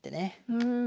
うん。